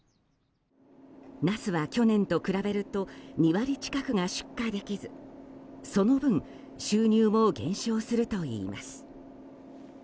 ナスは去年と比べると２割近くが出荷できずその分、収入も減少するといいます。